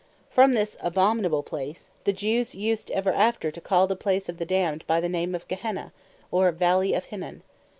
From this abominable place, the Jews used ever after to call the place of the Damned, by the name of Gehenna, or Valley of Hinnon.